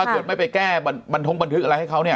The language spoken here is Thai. ถ้าเกิดไม่ไปแก้บันทึกอะไรให้เขาเนี่ย